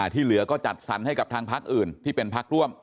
ที่เหลือก็จัดสรรให้กับทางพักอื่นที่เป็นพักร่วม